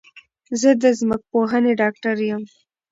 زه د ځمکپوهنې ډاکټر یم